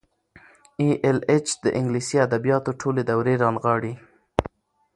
ای ایل ایچ د انګلیسي ادبیاتو ټولې دورې رانغاړي.